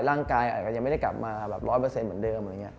ร่างกายอาจจะยังไม่ได้กลับมา๑๐๐เหมือนเดิม